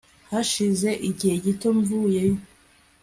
hashize igihe gito mvuyeyo